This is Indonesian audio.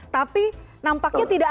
tapi nampaknya tidak bisa